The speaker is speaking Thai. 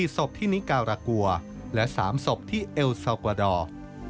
ศพที่นิการากัวและ๓ศพที่เอลซากวาดอร์